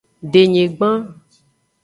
Denyigban.